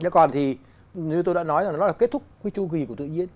thế còn thì như tôi đã nói là nó là kết thúc cái chu kỳ của tự nhiên